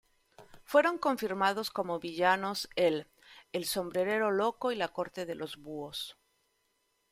Fueron confirmados como villanos el El Sombrerero Loco y La Corte de los Búhos.